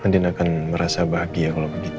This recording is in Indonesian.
akan merasa bahagia kalau begitu